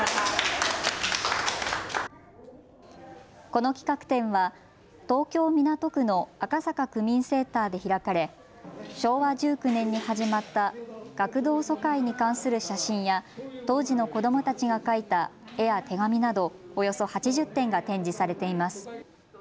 この企画展は東京・港区の赤坂区民センターで開かれ昭和１９年に始まった学童疎開に関する写真や当時の子どもたちが書いた絵や手紙などおよそ８０点が展示されています。